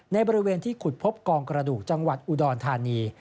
ในบริเวณที่ขุดพบกองกระดูกจังหวัดอุดรธานี